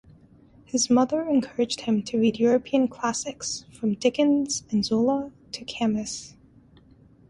His mother encouraged him to read European classics from Dickens and Zola to Camus.